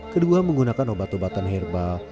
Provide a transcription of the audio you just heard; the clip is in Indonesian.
kedua menggunakan obat obatan herbal